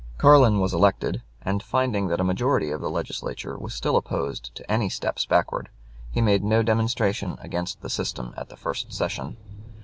Carlin was elected, and finding that a majority of the Legislature was still opposed to any steps backward, he made no demonstration against the system at the first session.